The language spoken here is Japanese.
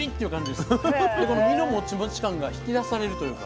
でこの身のモチモチ感が引き出されるというか。